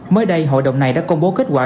mới đây hội đồng này đã công bố kết quả